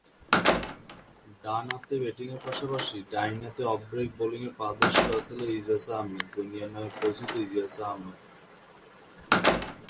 ডানহাতে ব্যাটিংয়ের পাশাপাশি ডানহাতে অফ ব্রেক বোলিংয়ে পারদর্শী ছিলেন ইজাজ আহমেদ জুনিয়র নামে পরিচিত ইজাজ আহমেদ।